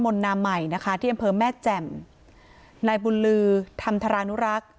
มณมมัยที่อำเภอแม่แจ่มนายบุญลือธรรมทรานุรักษ์